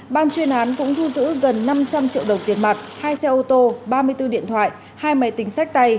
ban chuyên án cũng thu giữ gần năm trăm linh triệu đồng tiền mặt hai xe ô tô ba mươi bốn điện thoại hai máy tính sách tay